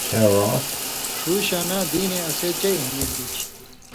ݜُو شاناں دینے اسے چئ اہمیت دی چھی۔